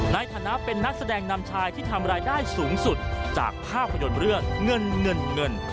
ในฐานะเป็นนักแสดงนำชายที่ทำรายได้สูงสุดจากภาพยนตร์เรื่องเงินเงิน